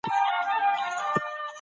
زه اوس غواړم چې لږ وزنونه پورته کړم.